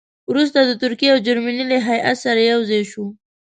وروسته د ترکیې او جرمني له هیات سره یو ځای شو.